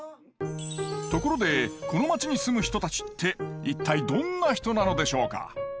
ところでこの町に住む人たちって一体どんな人なのでしょうか？